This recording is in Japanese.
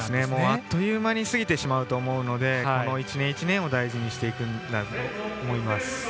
あっという間に過ぎてしまうと思うので１年１年を大事にしていくんだと思います。